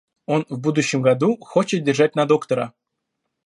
Он в будущем году хочет держать на доктора.